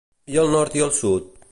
I el nord i el sud?